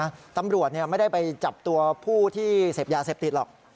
เราทางบรวจเนี่ยไม่ได้ไปจับตัวผู้ที่เสพยาเสพติดหรอก